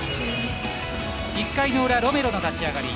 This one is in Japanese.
１回の裏、ロメロの立ち上がり